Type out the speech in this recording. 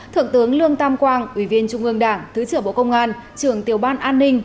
thượng tướng lương tam quang ủy viên trung ương đảng thứ trưởng bộ công an trường tiểu ban an ninh